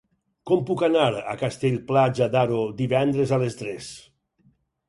Com puc anar a Castell-Platja d'Aro divendres a les tres?